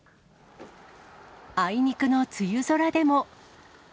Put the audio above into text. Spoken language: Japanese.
あいにくの梅雨空でも。